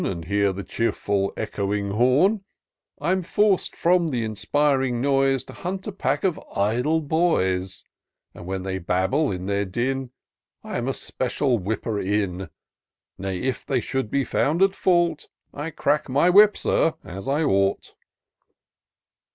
And hear the cheerful, echoing horn, I'm forc'd from the inspiring noise. To hunt a pack of idle boys ; 254 TOUR OF DOCTOR SYNTAX And when they babble, in their din, I am a special whipper in : Nay, if they should be found at fault, I crack my whip, Sir, as I ought."